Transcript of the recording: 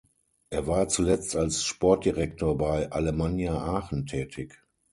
Er war zuletzt als Sportdirektor bei Alemannia Aachen tätig.